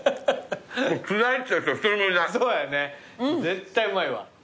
絶対うまいわ。